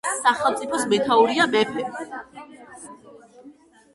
სახელმწიფოს მეთაურია მეფე.